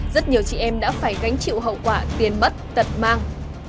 rất nhiều chị em đã phải gánh chịu hậu quả tiền bất tật mang